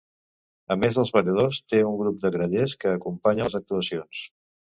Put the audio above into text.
A més dels balladors, té un grup de grallers que acompanya les actuacions.